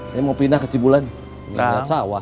saya mau pindah ke cipulahan mau buat sawah